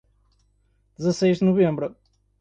Dezesseis de Novembro